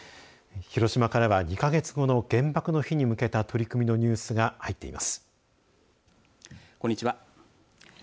広島からは２か月後の原爆の日に向けた取り組みのニュースが入っています。